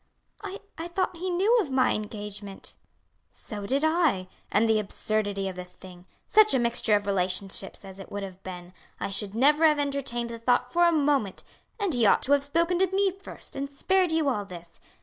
"I thought he knew of my engagement." "So did I. And the absurdity of the thing! Such a mixture of relationships as it would have been! I should never have entertained the thought for a moment. And he ought to have spoken to me first, and spared you all this.